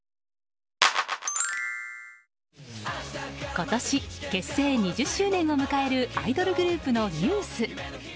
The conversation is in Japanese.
今年、結成２０周年を迎えるアイドルグループのＮＥＷＳ。